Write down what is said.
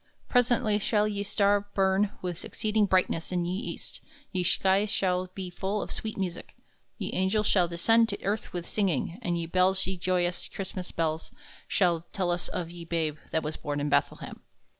Presently shall ye star burn with exceeding brightness in ye east, ye sky shall be full of swete music, ye angels shall descend to earth with singing, and ye bells ye joyous Chrystmass bells shall tell us of ye babe that was born in Bethlehem.